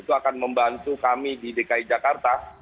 itu akan membantu kami di dki jakarta